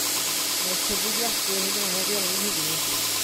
Mae'r cyfrifiadur yn araf iawn heddiw.